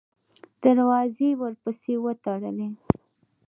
دروازې یې ورپسې وتړلې.